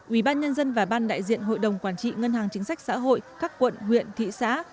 ubnd và ban đại diện hội đồng quản trị ngân hàng chính sách xã hội các quận huyện thị xã